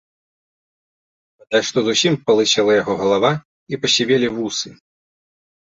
Бадай што зусім палысела яго галава і пасівелі вусы.